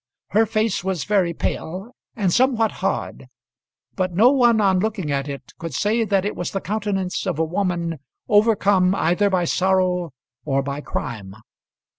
Her face was very pale, and somewhat hard; but no one on looking at it could say that it was the countenance of a woman overcome either by sorrow or by crime.